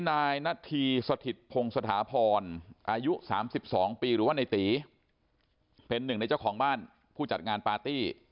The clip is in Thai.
นายณฑีสถิตพงศษาพรอายุ๓๒ปีหรือว่าในตี